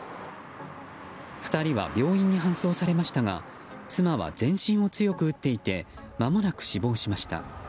２人は病院に搬送されましたが妻は、全身を強く打っていてまもなく死亡しました。